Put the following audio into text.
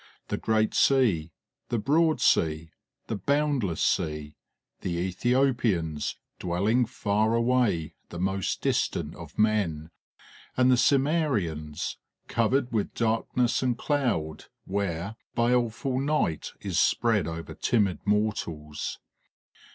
The Great Sea, the Broad Sea, the Boundless Sea; the Ethiopians, "dwelling far away, the most distant of men," and the Cimmerians, "covered with darkness and cloud," where "baleful night is spread over timid mortals."